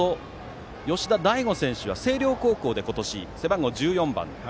吉田大吾選手は星稜高校で今年、背番号１４番。